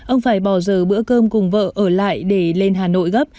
ông phải bỏ giờ bữa cơm cùng vợ ở lại để lên hà nội gấp